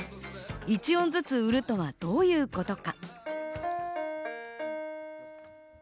１音ずつ売るとはどういうことか。